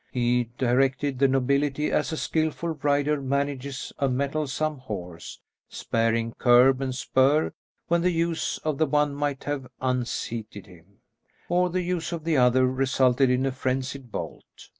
He directed the nobility as a skilful rider manages a mettlesome horse, sparing curb and spur when the use of the one might have unseated him, or the use of the other resulted in a frenzied bolt.